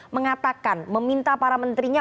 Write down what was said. mengatakan meminta para menterinya